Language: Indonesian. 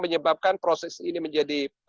menyebabkan proses ini menjadi